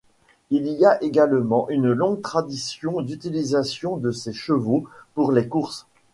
Il y a également une longue tradition d'utilisation de ces chevaux pour les courses.